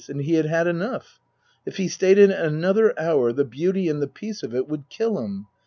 And he had had enough. If he stayed in it another hour the beauty and the peace of it would kill him.